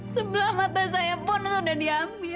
sebelah mata saya pun sudah diambil